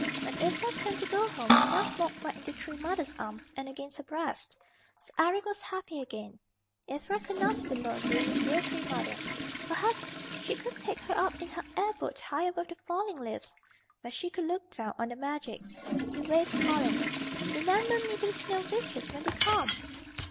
When Ivra turned to go home she must walk right into Tree Mother's arms and against her breast. So Eric was happy again, Ivra could not be lonely with dear Tree Mother. Perhaps she would take her up in her air boat high above the falling leaves, where she could look down on the magic. He waved, calling, "Remember me to the Snow Witches when they come."